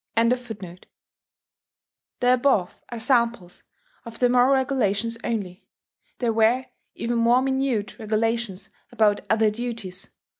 ] The above are samples of the moral regulations only: there were even more minute regulations about other duties.